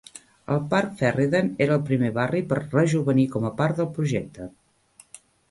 El parc Ferryden era el primer barri per rejovenir com a part del projecte.